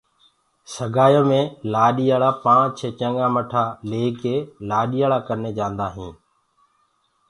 سگآيو مي لآڏآݪآ پآنچ چهي چگآ مٺآ گڏ هوڪي لآڏيآلآ ڪني جاندآ هينٚ